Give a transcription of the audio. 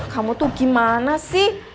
kamu tuh gimana sih